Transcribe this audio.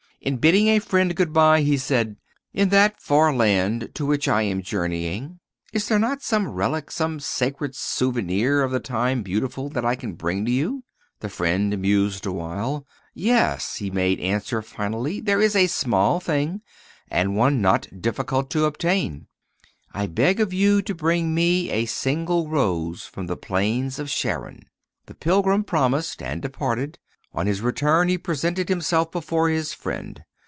In bidding a friend good by, he said: 'In that far land to which I am journeying, is there not some relic, some sacred souvenir of the time beautiful, that I can bring to you?' The friend mused awhile. 'Yes,' he made answer finally; 'there is a small thing, and one not difficult to obtain. I beg of you to bring me a single rose from the plains of Sharon.' The pilgrim promised, and departed. On his return he presented himself before his friend.